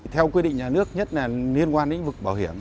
theo quy định nhà nước nhất là liên quan đến lĩnh vực bảo hiểm